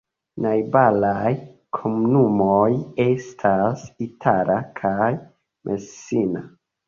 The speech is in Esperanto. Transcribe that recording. Najbaraj komunumoj estas Itala kaj Messina.